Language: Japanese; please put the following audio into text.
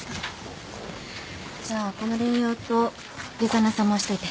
じゃあこのレイアウトデザイナーさん回しといて。